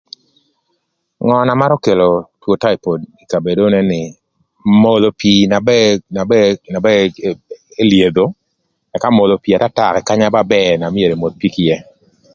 Ngö na marö kelo two taipod ï kabedo onu ënë nï modho pii na ba elyedho, ëka modho pii atata kï kanya ba bër na myero kür emodh pii kï ïë.